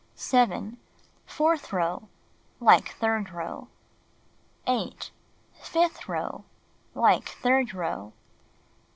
^' 7. Fourth row: Like third row. 8. Fifth row: Like third row.